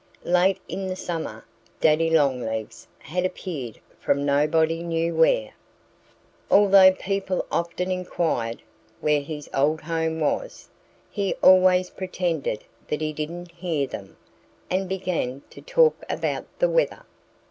Late in the summer Daddy Longlegs had appeared from nobody knew where. Although people often inquired where his old home was, he always pretended that he didn't hear them and began to talk about the weather.